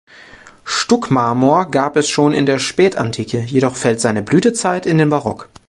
Stuckmarmor gab es schon in der Spätantike, jedoch fällt seine Blütezeit in den Barock.